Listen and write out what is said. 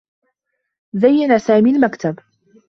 زيّن سامي المكتب.